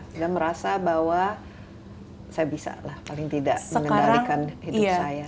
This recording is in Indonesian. sudah merasa bahwa saya bisa lah paling tidak mengendalikan hidup saya